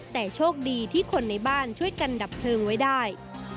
แต่โชคดีที่คนในบ้านช่วยกันดับเพลิงไว้ได้